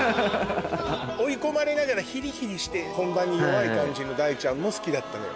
追い込まれながらヒリヒリして本番に弱い感じの大ちゃんも好きだったのよ。